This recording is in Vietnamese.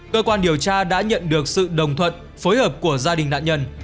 cơ quan điều tra đã nhận được sự đồng thuận phối hợp của gia đình nạn nhân